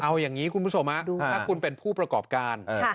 เอาอย่างนี้คุณผู้ชมถ้าคุณเป็นผู้ประกอบการ